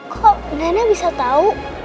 kok nenek bisa tahu